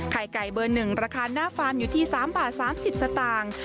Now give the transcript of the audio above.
ไข่ไก่เบอร์๑ราคาหน้าฟาร์มอยู่ที่๓บาท๓๐สตางค์